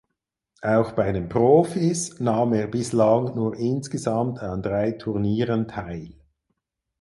Auch bei den Profis nahm er bislang nur insgesamt an drei Turnieren teil.